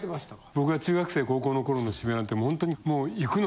僕が中学生高校の頃の渋谷なんてもうホントに。